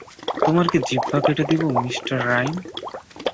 তোমার কি জিহ্বা কেটে দেবো, মিঃ রাইম?